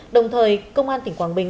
đồng thời công an tỉnh quảng bình